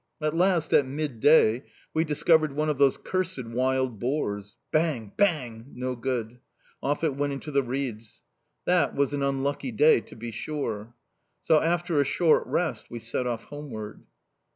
At last, at midday, we discovered one of those cursed wild boars Bang! Bang! No good! Off it went into the reeds. That was an unlucky day, to be sure!... So, after a short rest, we set off homeward...